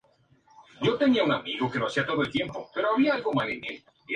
Desafortunadamente los hombres en traje se revelan como vampiros y asesinan a Trevor.